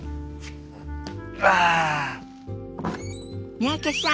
三宅さん